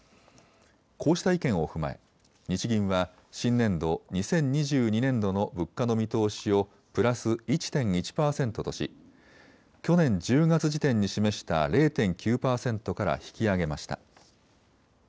こうした意見を踏まえ日銀は新年度、２０２２年度の物価の見通しをプラス１．１％とし、去年１０月時点に示した０．９％から引き上げました。